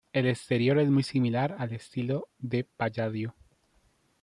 El exterior es muy similar al estilo de Palladio.